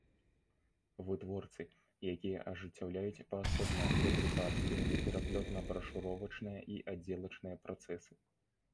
Вытворцы, якiя ажыццяўляюць паасобна дадрукарскiя, пераплётна-брашуровачныя i аддзелачныя працэсы.